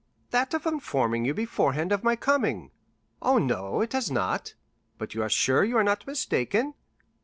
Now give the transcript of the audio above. "That of informing you beforehand of my coming." "Oh, no, it has not." "But you are sure you are not mistaken."